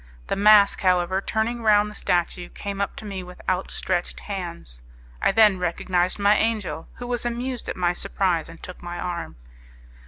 The mask, however, turning round the statue, came up to me with outstretched hands; I then recognized my angel, who was amused at my surprise and took my arm.